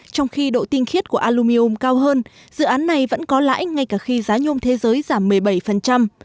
trong khi độ tinh khiết của alumium cao hơn dự án này vẫn có lãi ngay cả khi giá nhôm thế giới giảm một mươi bảy